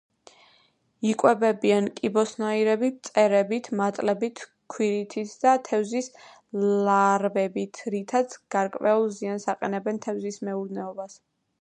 იკვებებიან კიბოსნაირებით, მწერების მატლებით, ქვირითით და თევზის ლარვებით, რითაც გარკვეულ ზიანს აყენებენ თევზის მეურნეობას.